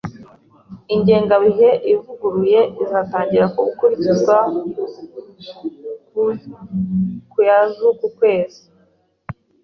Ingengabihe ivuguruye izatangira gukurikizwa ku ya z'uku kwezi.